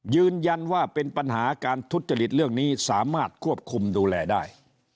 ยืนยันว่าเป็นปัญหาการทุจริตเรื่องนี้สามารถควบคุมดูแลได้